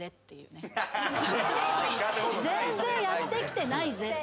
全然やってきてないぜ。